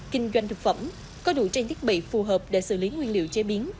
kinh doanh thực phẩm có đủ trang thiết bị phù hợp để xử lý nguyên liệu chế biến